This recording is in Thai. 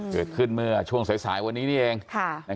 เกิดขึ้นเมื่อช่วงสายวันนี้นี่เอง